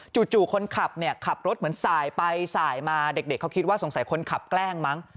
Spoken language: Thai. คนขับเนี่ยขับรถเหมือนสายไปสายมาเด็กเขาคิดว่าสงสัยคนขับแกล้งมั้ง